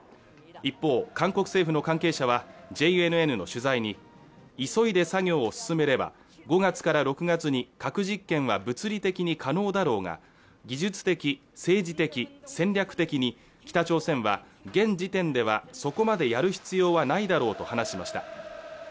一方韓国政府の関係者はＪＮＮの取材に急いで作業を進めれば５月から６月に核実験は物理的に可能だろうが技術的政治的戦略的に北朝鮮は現時点ではそこまでやる必要はないだろうと話しました